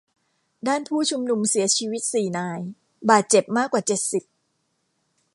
ด้านผู้ชุมนุมเสียชีวิตสี่นาย บาดเจ็บมากกว่าเจ็ดสิบ